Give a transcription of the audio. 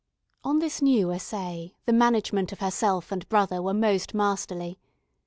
On this new essay, the management of herself and brother were most masterly.